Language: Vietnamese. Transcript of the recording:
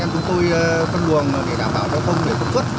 chúng tôi phân luồng để đảm bảo giao thông để thông suất